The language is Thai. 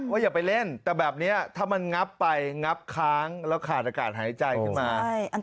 อย่าไปเล่นแต่แบบนี้ถ้ามันงับไปงับค้างแล้วขาดอากาศหายใจขึ้นมา